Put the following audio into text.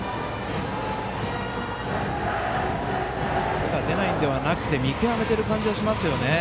手が出ないんではなくて見極めている感じはしますね。